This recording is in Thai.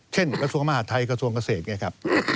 เช่นกระทรวงมหาธัยกระทรวงเกษตร